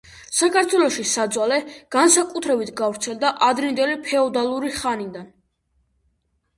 საქართველოში საძვალე განსაკუთრებით გავრცელდა ადრინდელი ფეოდალური ხანიდან.